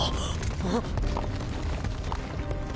あっ。